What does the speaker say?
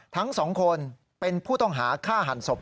ทั้งสองคนเป็นผู้ต้องหาฆ่าหันศพ